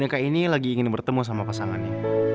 boneka ini lagi ingin bertemu sama pasangannya